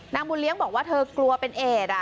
บุญเลี้ยงบอกว่าเธอกลัวเป็นเอก